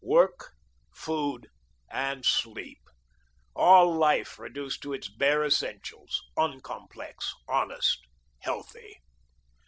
Work, food, and sleep, all life reduced to its bare essentials, uncomplex, honest, healthy.